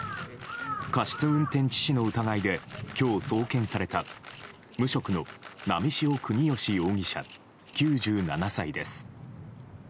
過失運転致死の疑いで今日、送検された無職の波汐國芳容疑者９７歳です。